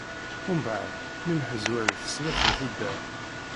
Mbeɛd, mi mḥezwaret snat n tuddar.